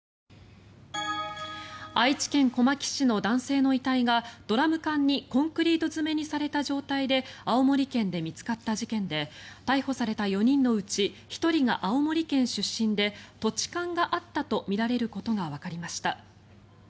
愛知県小牧市の男性の遺体がドラム缶にコンクリート詰めにされた状態で青森県で見つかった事件で逮捕された４人のうち１人が青森県出身で土地勘があったとみられることがわかりました。